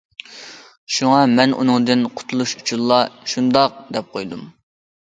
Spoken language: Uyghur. شۇڭا مەن ئۇنىڭدىن قۇتۇلۇش ئۈچۈنلا:« شۇنداق....» دەپ قويدۇم.